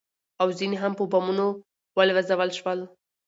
او ځنې هم په بمونو والوزول شول.